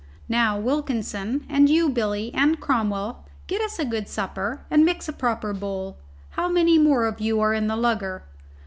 Now, Wilkinson, and you Billy, and Cromwell, get us a good supper and mix a proper bowl. How many more of you are in the lugger?"